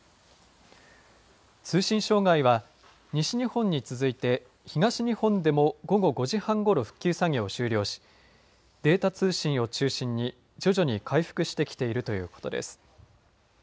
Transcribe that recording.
通信障害は西日本に続いて東日本でも午後５時半ごろ復旧作業を終了しデータ通信を中心に徐々に回復してきているということです。